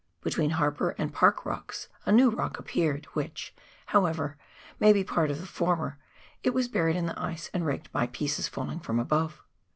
Between Harper and Park Bocks a new rock appeared, which, however, may be part of the former ; it was buried in the ice and raked by pieces falling from above.